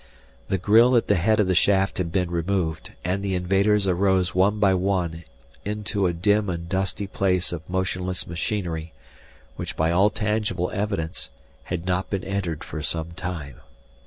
The grille at the head of the shaft had been removed, and the invaders arose one by one into a dim and dusty place of motionless machinery, which, by all tangible evidence, had not been entered for some time.